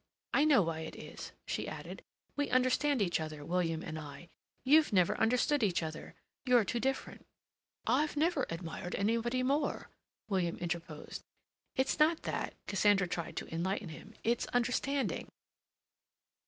I know why it is," she added. "We understand each other, William and I. You've never understood each other. You're too different." "I've never admired anybody more," William interposed. "It's not that"—Cassandra tried to enlighten him—"it's understanding."